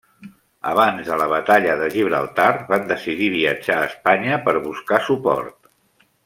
Abans de la Batalla de Gibraltar, van decidir viatjar a Espanya per buscar suport.